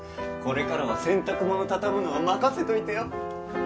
これからは洗濯物畳むのは任せといてよ。